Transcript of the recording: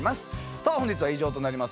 さあ本日は以上となります